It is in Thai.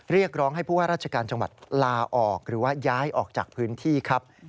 เรียกร้องให้ผู้ว่าราชการจังหวัดลาออกหรือว่าย้ายออกจากพื้นที่ครับ